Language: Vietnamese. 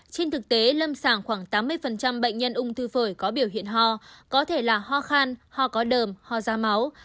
trên thực tế lâm sảng khoảng tám mươi bệnh nhân ung thư phổi có biểu hiện hoa có thể là hoa khan hoa có đờm hoa da máu